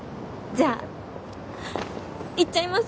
じゃあ行っちゃいます？